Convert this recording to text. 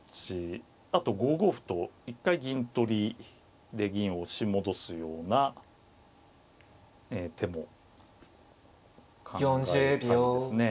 あと５五歩と一回銀取りで銀を押し戻すような手も考えたいですね。